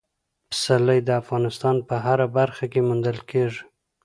پسرلی د افغانستان په هره برخه کې موندل کېږي.